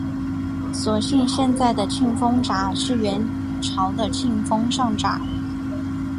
所以现在的庆丰闸是元朝的庆丰上闸。